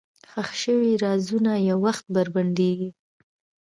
ښخ شوي رازونه یو وخت بربنډېږي.